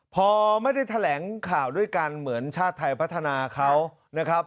พอไม่ได้แถลงข่าวด้วยกันเหมือนชาติไทยพัฒนาเขานะครับ